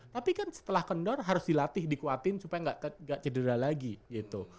tapi kan setelah kendor harus dilatih dikuatin supaya nggak cedera lagi gitu